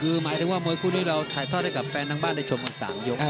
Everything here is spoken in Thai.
คือหมายถึงว่ามวยคู่นี้เราถ่ายทอดให้กับแฟนทั้งบ้านได้ชมกัน๓ยก